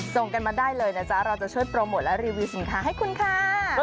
ส่งกันมาได้เลยนะจ๊ะเราจะช่วยโปรโมทและรีวิวสินค้าให้คุณค่ะ